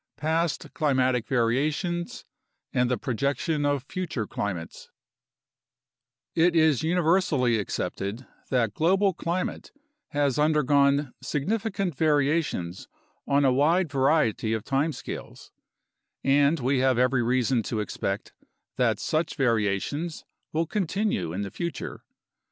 4 PAST CLIMATIC VARIATIONS AND THE PROJECTION OF FUTURE CLIMATES It is universally accepted that global climate has undergone significant variations on a wide variety of time scales, and we have every reason to expect that such variations will continue in the future.